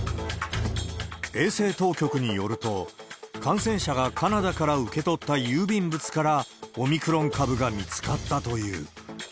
衛生当局によると、感染者がカナダから受け取った郵便物から、オミクロン株が見つかったという。